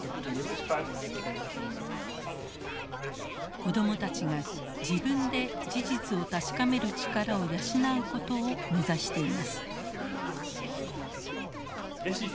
子供たちが自分で事実を確かめる力を養うことを目指しています。